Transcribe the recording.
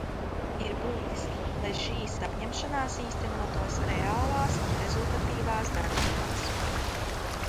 Ir būtiski, lai šīs apņemšanās īstenotos reālās un rezultatīvās darbībās.